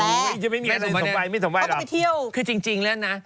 เขาก็ไปเที่ยวคือจริงแล้วนะ